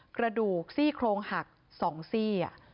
กระดูกซี่โครงหัก๒ซี่